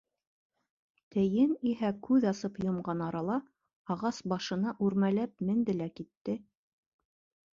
Тейен иһә күҙ асып йомған арала ағас башына үрмәләп менде лә китте.